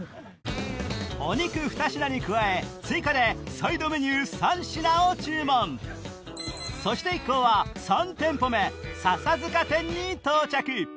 お肉２品に加え追加でサイドメニュー３品を注文そして一行はカルビ。